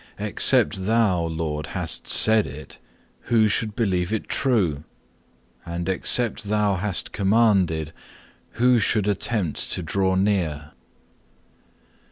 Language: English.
Except Thou, Lord, hadst said it, who should believe it true? And except Thou hadst commanded, who should attempt to draw near?